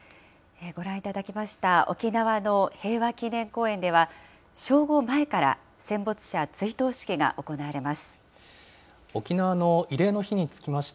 ご覧いただきました沖縄の平和祈念公園では、正午前から、戦没者追悼式が行われます。